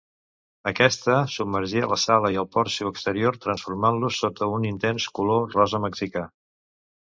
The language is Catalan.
Aquesta, submergia la sala i el porxo exterior transformant-los sota un intens color rosa mexicà.